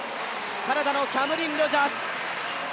カナダのキャムリン・ロジャーズ。